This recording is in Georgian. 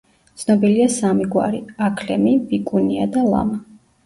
ცნობილია სამი გვარი: აქლემი, ვიკუნია და ლამა.